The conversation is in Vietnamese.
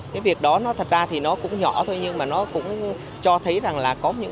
cái việc đó nó thật ra thì nó cũng nhỏ thôi nhưng mà nó cũng cho thấy rằng là có những